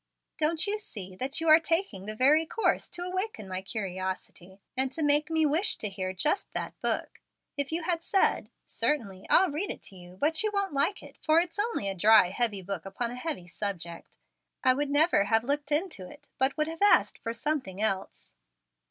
"Don't you see that you are taking the very course to awaken my curiosity, and to make me wish to hear just that book? If you had said, 'Certainly, I'll read it to you, but you won't like it, for it's only a dry, heavy book upon a heavy subject,' I would never have looked into it, but would have asked for something else."